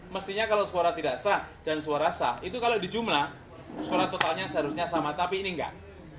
mestinya kalau suara tidak sah dan suara sah itu kalau dijumlah suara totalnya seharusnya sama tapi ini enggak